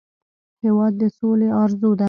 هېواد د سولې ارزو ده.